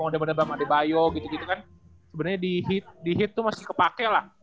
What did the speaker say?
sebenernya di heat tuh masih kepake lah